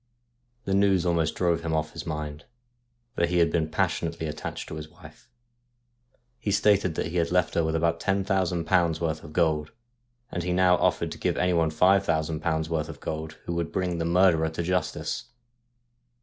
The news almost drove him off his mind, for he had been passionately attached to his wife. He stated that he had left her with about ten thousand pounds' worth of gold ; and he now offered to give anyone five thou sand pounds' worth of gold who would bring the murderer to justice.